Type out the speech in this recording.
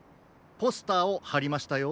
ポスターをはりましたよ。